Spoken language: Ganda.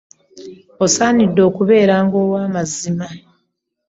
Osanidde okubeeranga owamazima.